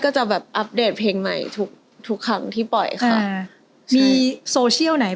จะแบบอัปเดตเพลงใหม่ทุกทุกครั้งที่ปล่อยค่ะมีโซเชียลไหน